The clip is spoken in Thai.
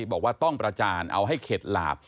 บอกว่าต้องประจานเอาให้เข็ดหลาบ